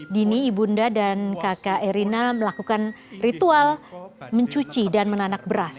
dini ibunda dan kakak erina melakukan ritual mencuci dan menanak beras